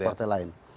tiga partai lain